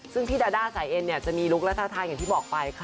ซึ่งพี่ดาด้าสายเอ็นเนี่ยจะมีลุคและท่าทางอย่างที่บอกไปค่ะ